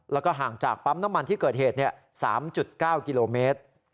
แล้วก็ห่างจากปั๊มน้ำมันที่เกิดเหตุ๓๙กิโลเมตร